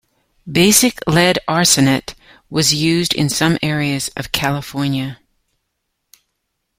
Basic lead arsenate was used in some areas of California.